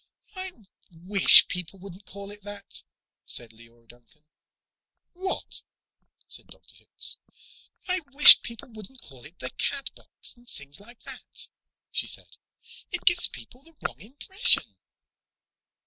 "I wish people wouldn't call it that," said Leora Duncan. "What?" said Dr. Hitz. "I wish people wouldn't call it 'the Catbox,' and things like that," she said. "It gives people the wrong impression."